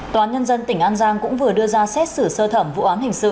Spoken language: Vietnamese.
toán nhân dân tỉnh an giang cũng vừa đưa ra xét xử sơ thẩm vụ án hình sự